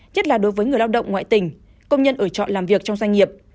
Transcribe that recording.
nhất là đối với người lao động ngoại tỉnh công nhân ở trọ làm việc trong doanh nghiệp